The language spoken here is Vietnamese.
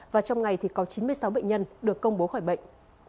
và trong ngày thì có chín mươi sáu bệnh nhân được công bố khỏi bệnh